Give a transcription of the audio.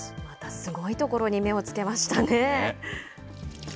すごいところに目をつけましたね。